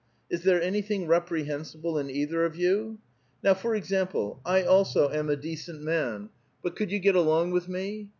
Is there anything reprehensible in either of you? Now, for example, I also am a decent man, but could you get along with me?